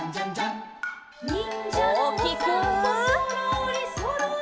「そろーりそろり」